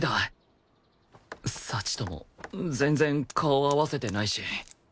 幸とも全然顔合わせてないし